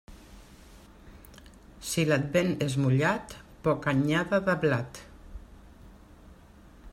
Si l'advent és mullat, poca anyada de blat.